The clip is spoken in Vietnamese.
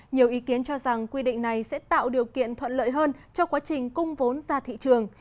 nhiều ý kiến cho rằng quy định này sẽ tạo điều kiện thuận lợi hơn cho quá trình cung vốn ra thị trường